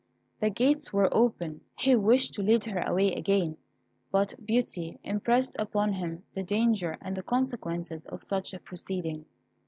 The gates were open; he wished to lead her away again, but Beauty impressed upon him the danger and consequences of such a proceeding.